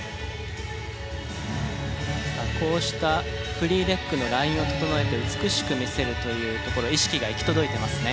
こうしたフリーレッグのラインを整えて美しく見せるというところ意識が行き届いてますね。